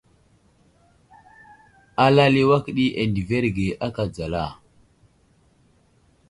Alal i awak di adəverge aka dzala.